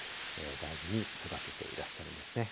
大事に育てていらっしゃるんですね。